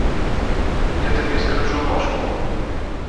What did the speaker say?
Я табе скручу ножку.